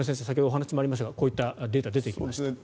先ほど話にもありましたがこういったデータが出てきました。